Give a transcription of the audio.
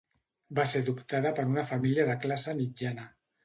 Va ser adoptada per una família de classe mitjana.